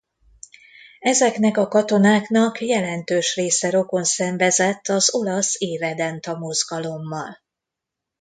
Ezeknek a katonáknak jelentős része rokonszenvezett az olasz irredenta mozgalommal.